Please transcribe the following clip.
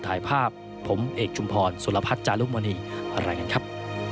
ถ่ายภาพผมเอกชุมพรสุรพัฒน์จารุมณีอะไรกันครับ